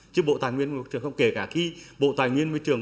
chứ bộ tài nguyên môi trường không kể cả khi bộ tài nguyên môi trường